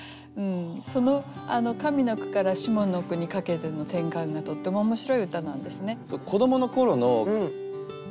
その上の句から下の句にかけての転換がとっても面白い歌なんですね。